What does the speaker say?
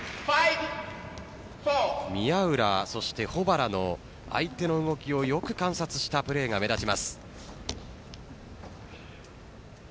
宮浦、そして保原の相手の動きをよく観察したプレーが目立ちます。